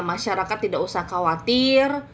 masyarakat tidak usah khawatir